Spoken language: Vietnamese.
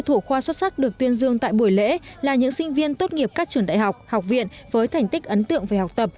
sáu thủ khoa xuất sắc được tuyên dương tại buổi lễ là những sinh viên tốt nghiệp các trường đại học học viện với thành tích ấn tượng về học tập